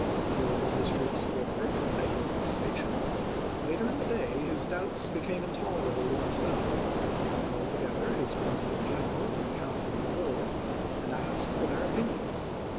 He ordered his troops forward from Edwards's Station; but later in the day his doubts became intolerable to himself ; he called together his prin cipal generals in council of war, and asked for their opinions.